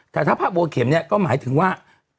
แต่ถ้าพระบัวเข็มเนี่ยก็หมายถึงว่า